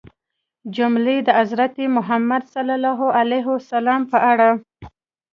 جملې د حضرت محمد ﷺ په اړه